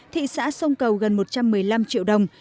thị xã sông cầu gần một trăm một mươi năm triệu đồng